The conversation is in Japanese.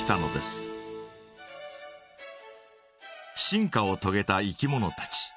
進化をとげたいきものたち。